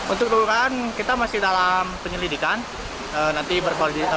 untuk kebukaan kita masih dalam penyelidikan